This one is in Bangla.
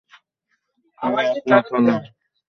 আমি একমত হলাম।